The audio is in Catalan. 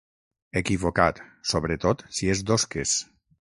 Equivocat, sobretot si és d'osques.